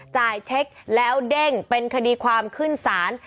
จ่ายเช็คแล้วเด้งเป็นคดีความขึ้นศาล